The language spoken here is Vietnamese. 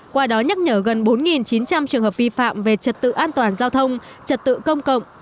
qua đó nhắc nhở gần bốn chín trăm linh trường hợp vi phạm về trật tự an toàn giao thông trật tự công cộng